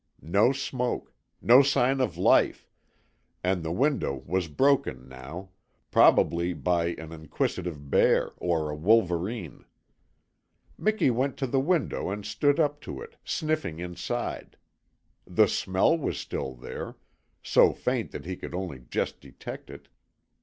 No smoke, no sign of life, and the window was broken now probably by an inquisitive bear or a wolverine. Miki went to the window and stood up to it, sniffing inside. The SMELL was still there so faint that he could only just detect it.